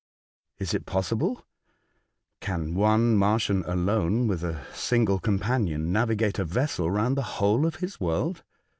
" Is it possible ? Can one Martian alone, with a smgle companion, navigate a vessel round the whole of his world